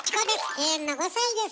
永遠の５さいです。